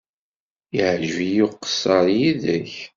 Yeɛjeb-iyi uqeṣṣer yid-k.